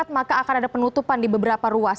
maka akan ada penutupan di beberapa ruas